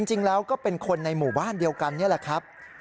จริงแล้วก็เป็นคนในหมู่บ้านเดียวกันนี่แหละครับ